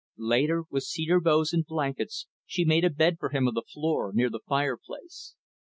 Later, with cedar boughs and blankets, she made a bed for him on the floor near the fire place.